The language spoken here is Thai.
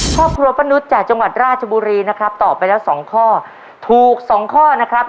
ครอบครัวป้านุษย์จากจังหวัดราชบุรีนะครับตอบไปแล้วสองข้อถูกสองข้อนะครับ